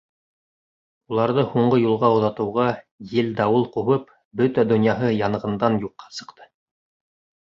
Уларҙы һуңғы юлға оҙатыуға, ел-дауыл ҡубып, бөтә донъяһы янғындан юҡҡа сыҡты.